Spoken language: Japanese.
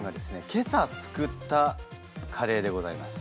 今朝作ったカレーでございます。